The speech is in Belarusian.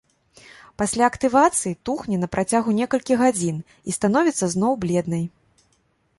Пасля актывацыі тухне на працягу некалькіх гадзін і становіцца зноў бледнай.